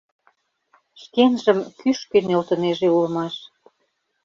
Шкенжым кӱшкӧ нӧлтынеже улмаш.